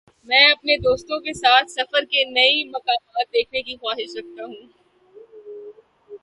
میں اپنے دوستوں کے ساتھ سفر کر کے نئی مقامات دیکھنے کی خواہش رکھتا ہوں۔